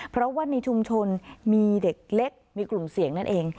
เพราะว่าในชุมชนมีเด็กเล็กมีกลุ่มเสี่ยงนั่นเอง